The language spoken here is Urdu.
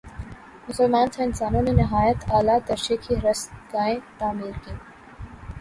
مسلمان سائنسدانوں نے نہایت عالیٰ درجہ کی رصدگاہیں تعمیر کیں